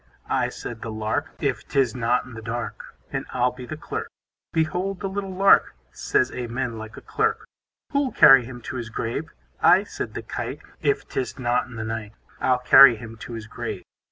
I, said the Lark, If 'tis not in the dark, And I'll be the Clerk. Behold the little Lark, Says Amen like a Clerk. Who'll carry him to his grave? I, said the Kite, If 'tis not in the night, I'll carry him to his grave.